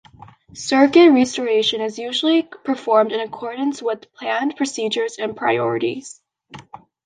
Circuit restoration is usually performed in accordance with planned procedures and priorities.